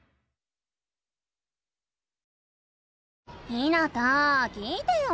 ひなた聞いてよ。